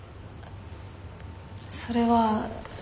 それは。